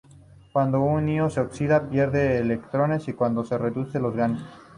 Cuando un ion se oxida pierde electrones y cuando se reduce los gana.